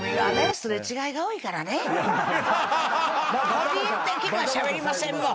個人的にはしゃべりませんもん。